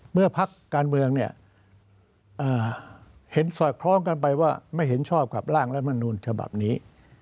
เมื่อภาคการเมืองเนี่ยเห็นสอยคล้องกันไปว่าไม่เห็นชอบกับร่างและมนุษย์ฉบับนี้